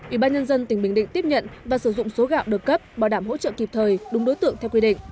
ủy ban nhân dân tỉnh bình định tiếp nhận và sử dụng số gạo được cấp bảo đảm hỗ trợ kịp thời đúng đối tượng theo quy định